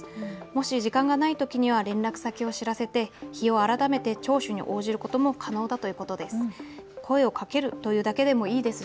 もし時間がないときには連絡先を知らせて日を改めて聴取に応じることも可能だということです。